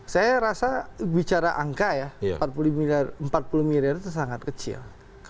saya rasa bicara angka ya empat puluh miliar itu sangat kecil